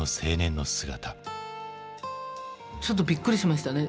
ちょっとびっくりしましたね。